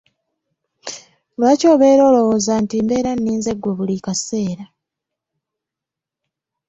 Lwaki obeera olwowooza nti mbeera nninze gwe buli kaseera?